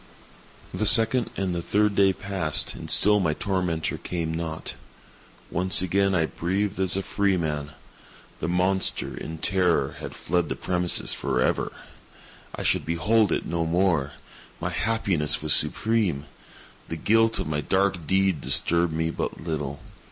The second and the third day passed, and still my tormentor came not. Once again I breathed as a freeman. The monster, in terror, had fled the premises forever! I should behold it no more! My happiness was supreme! The guilt of my dark deed disturbed me but little.